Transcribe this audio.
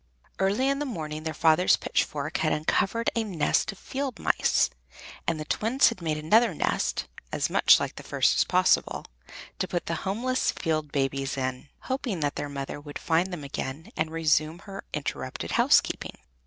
Early in the morning their father's pitchfork had uncovered a nest of field mice, and the Twins had made another nest, as much like the first as possible, to put the homeless field babies in, hoping that their mother would find them again and resume her interrupted housekeeping.